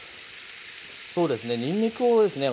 そうですねにんにくをですね